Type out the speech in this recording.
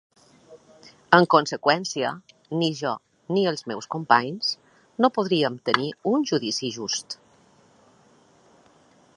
En conseqüència, ni jo ni els meus companys no podríem tenir un judici just.